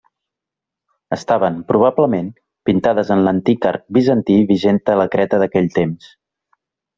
Estaven, probablement, pintades en l'antic art bizantí vigent a la Creta d'aquells temps.